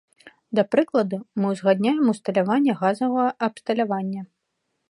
Да прыкладу, мы ўзгадняем усталяванне газавага абсталявання.